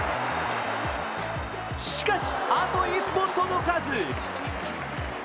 しかし、あと一歩届かず。